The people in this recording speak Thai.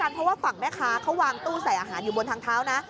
เพราะว่าฝั่งแม่ค้าเขาวางตู้ใส่อาหารอยู่บนทางเท้านะ